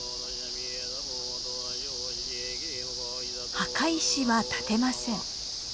墓石は建てません。